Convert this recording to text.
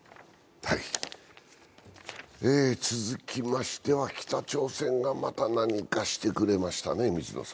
続きましては北朝鮮がまた何かしてくれましたね。